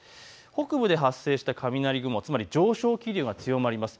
北部で発生した雷雲、上昇気流が強まります。